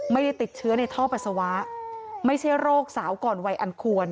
ไม่ได้ติดเชื้อในท่อปัสสาวะไม่ใช่โรคสาวก่อนวัยอันควร